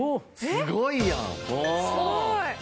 すごーい！